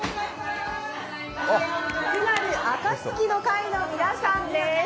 津軽あかつきの会の皆さんです。